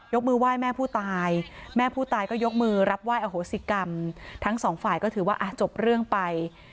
มือไหว้แม่ผู้ตายแม่ผู้ตายก็ยกมือรับไหว้อโหสิกรรมทั้งสองฝ่ายก็ถือว่าจบเรื่องไป